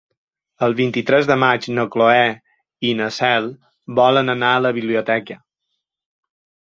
El vint-i-tres de maig na Cloè i na Cel volen anar a la biblioteca.